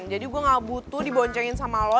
jadi gue gak butuh diboncengin sama lo